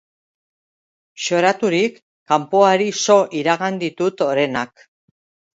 Xoraturik kanpoari so iragan ditut orenak.